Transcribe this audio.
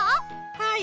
はい。